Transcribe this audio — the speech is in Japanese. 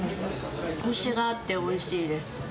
こしがあっておいしいです。